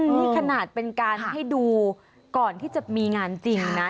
นี่ขนาดเป็นการให้ดูก่อนที่จะมีงานจริงนะ